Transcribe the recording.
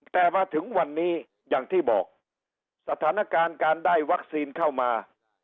แต่มาถึงวันนี้อย่างที่บอกสถานการณ์การได้วัคซีนเข้ามา